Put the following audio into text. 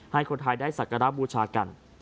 ให้คนไทยได้สักการะบูชากัน